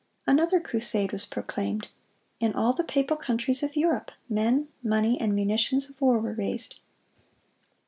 Another crusade was proclaimed. In all the papal countries of Europe, men, money, and munitions of war were raised.